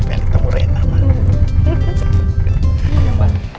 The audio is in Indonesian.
dia akan temur reyna mah